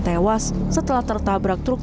tewas setelah tertabrak truk